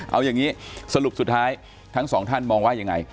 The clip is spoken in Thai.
เอาอย่างนี้สรุปสุดท้ายทั้งสองท่านมองว่ายังไง